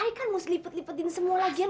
ayah kan harus lipet lipetin semua lagian